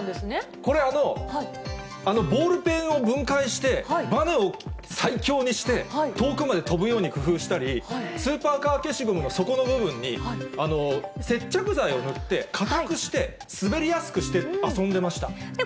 これあの、あの、ボールペンを分解して、ばねを最強にして、遠くまで飛ぶように工夫したり、スーパーカー消しゴムの底の部分に、接着剤を塗って、かたくして、して滑りやすくして遊んでました。